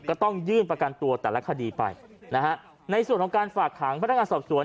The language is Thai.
ก็ต้องยื่นประกันตัวแต่ละคดีไปนะฮะในส่วนของการฝากขังพนักงานสอบสวน